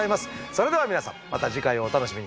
それでは皆さんまた次回をお楽しみに。